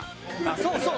そうそう！